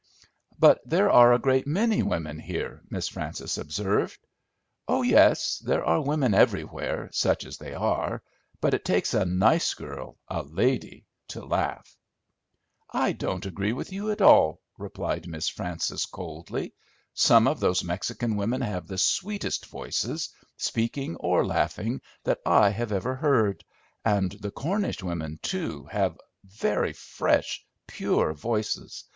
"But there are a great many women here," Miss Frances observed. "Oh yes, there are women everywhere, such as they are; but it takes a nice girl, a lady, to laugh!" "I don't agree with you at all," replied Miss Frances coldly. "Some of those Mexican women have the sweetest voices, speaking or laughing, that I have ever heard; and the Cornish women, too, have very fresh, pure voices.